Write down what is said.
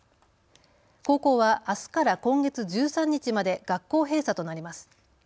高校はあすから今月１３日まで学校閉鎖となります。